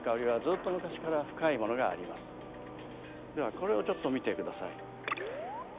ではこれをちょっと見てください。